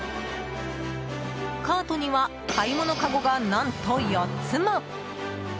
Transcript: カートには買い物かごが何と４つも。